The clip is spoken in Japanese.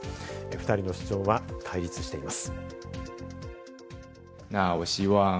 ２人の主張は対立しています。